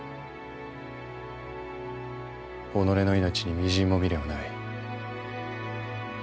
己の命にみじんも未練はない。